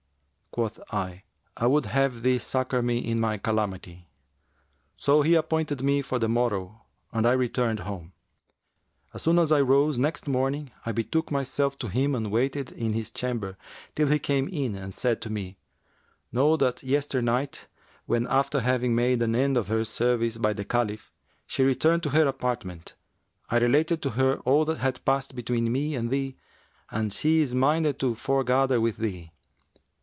Quoth I, 'I would have thee succour me in my calamity.' So he appointed me for the morrow and I returned home. As soon as I rose next morning, I betook myself to him and waited in his chamber till he came in and said to me, 'Know that yesternight when, after having made an end of her service by the Caliph, she returned to her apartment, I related to her all that had passed between me and thee and she is minded to foregather with thee.